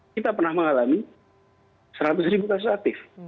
kita pernah mengalami seratus ribu kasus aktif